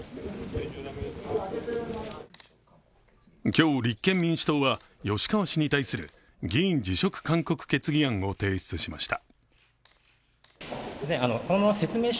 今日、立憲民主党は吉川氏に対する議員辞職勧告決議案を提出しました。